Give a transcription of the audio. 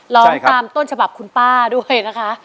ร้องตามต้นฉบับคุณป้าด้วยนะคะ